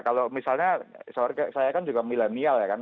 kalau misalnya sorry saya kan juga milenial ya kan